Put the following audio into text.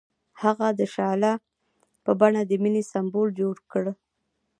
هغه د شعله په بڼه د مینې سمبول جوړ کړ.